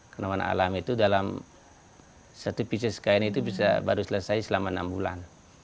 karena warna alam itu dalam satu pieces kain itu baru selesai selama enam bulan